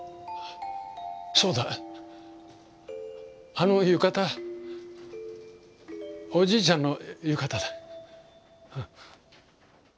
あの浴衣おじいちゃんの浴衣だ。